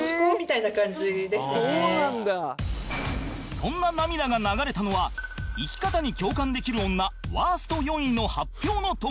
そんな涙が流れたのは生き方に共感できる女ワースト４位の発表の時